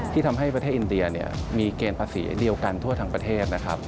ที่ทำให้ประเทศอินเดียมีเกณฑ์ภาษีเดียวกันทั่วทางประเทศ